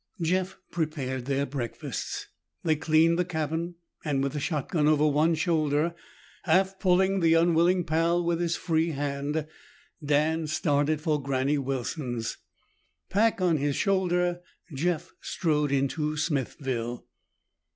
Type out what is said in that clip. Jeff prepared their breakfasts, they cleaned the cabin, and with the shotgun over one shoulder, half pulling the unwilling Pal with his free hand, Dan started for Granny Wilson's. Pack on his shoulder, Jeff strode into Smithville.